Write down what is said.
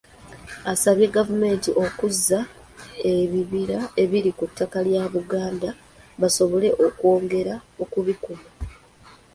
Asabye gavumenti okuzza ebibira ebiri ku ttaka lya Buganda basobole okwongera okubikuuma.